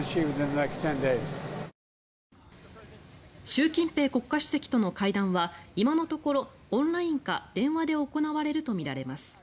習近平国家主席との会談は今のところオンラインか電話で行われるとみられます。